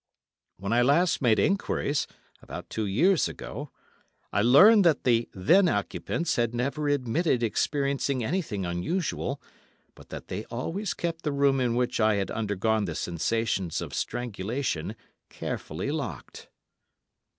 When I last made enquiries, about two years ago, I learned that the then occupants had never admitted experiencing anything unusual, but that they always kept the room in which I had undergone the sensations of strangulation carefully locked.